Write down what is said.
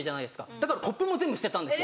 だからコップも全部捨てたんですよ。